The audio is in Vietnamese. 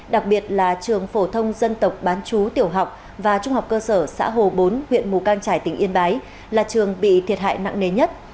đặc biệt là trường phổ thông dân tộc bán chú tiểu học và trung học cơ sở xã hồ bốn huyện mù cang trải tỉnh yên bái là trường bị thiệt hại nặng nề nhất